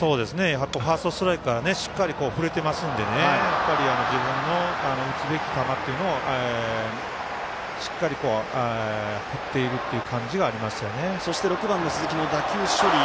ファーストストライクからしっかり振れていますので自分の打つべき球っていうのをしっかり振っているっていうそして６番の鈴木の時の打球処理。